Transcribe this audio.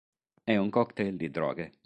È un cocktail di droghe.